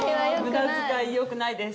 「無駄遣い良くない」です。